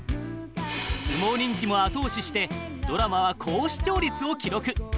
相撲人気も後押ししてドラマは高視聴率を記録。